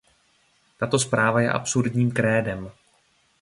Tato zpráva je absurdním krédem.